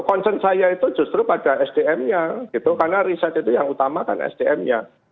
konsep saya itu justru pada sdm nya karena riset itu yang utamakan sdm nya